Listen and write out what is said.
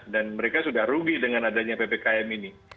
dan mereka sudah rugi dengan adanya ppkm ini